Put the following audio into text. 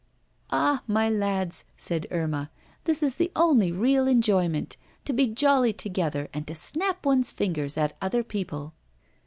'Ah, my lads,' said Irma, 'this is the only real enjoyment, to be jolly together and to snap one's fingers at other people.